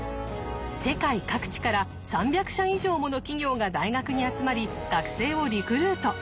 世界各地から３００社以上もの企業が大学に集まり学生をリクルート。